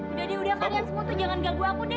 udah deh udah kalian semua tuh jangan ganggu aku deh